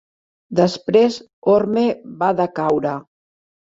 Després, Orme va decaure.